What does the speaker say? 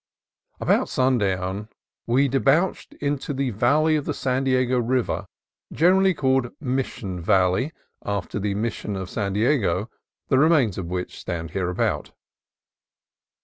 About sundown we debouched into the valley of the San Diego River, generally called Mission Valley, after the Mission of San Diego, the remains of which stand hereabout.